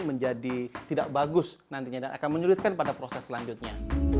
menjadi tidak bagus nantinya dan akan menyulitkan pada proses selanjutnya